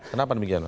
kenapa demikian pak